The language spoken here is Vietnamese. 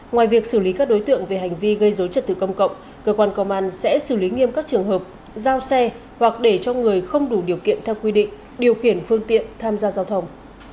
ngoài việc xử lý các đối tượng về hành vi gây dối trật tự công cộng cơ quan công an sẽ xử lý nghiêm các trường hợp giao xe hoặc để cho người không đủ điều kiện theo quy định điều khiển phương tiện tham gia giao thông